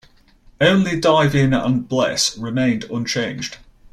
Only "Dive In" and "Bless" remained unchanged.